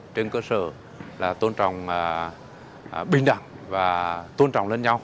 trên cơ sở tôn trọng bình đẳng và tôn trọng lẫn nhau